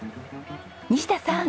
西田さん。